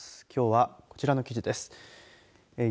きょうはこちらの記事です。